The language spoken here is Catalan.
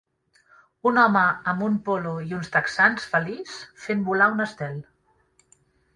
Un home amb un polo i uns texans feliç fent volar un estel.